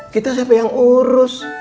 kita siapa yang urus